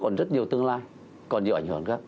còn rất nhiều tương lai còn nhiều ảnh hưởng khác